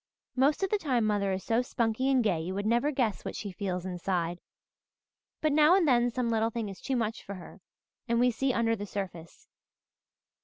Most of the time mother is so spunky and gay you would never guess what she feels inside; but now and then some little thing is too much for her and we see under the surface.